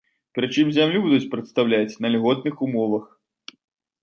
Прычым зямлю будуць прадастаўляць на льготных умовах.